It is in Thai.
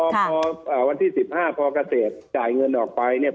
พอวันที่๑๕พอเกษตรจ่ายเงินออกไปเนี่ย